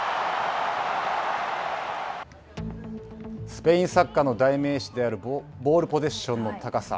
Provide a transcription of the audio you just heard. スペインサッカーの代名詞であるボールポゼッションの高さ。